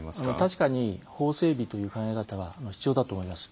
確かに法整備という考え方は必要だと思います。